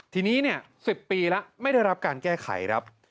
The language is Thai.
ทีนี้๑๐ปีแล้วไม่ได้รับการแก้ไขครับ